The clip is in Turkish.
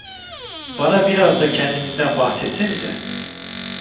Bana biraz da kendinizden bahsetsenize!